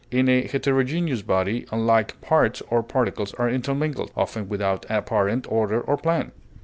In a heterogeneous body unlike parts or particles are intermingled, often without apparent order or plan.